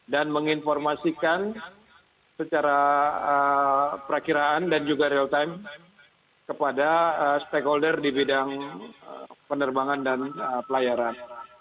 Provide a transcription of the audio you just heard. dan menginformasikan secara perakiraan dan juga real time kepada stakeholder di bidang penerbangan dan pelayaran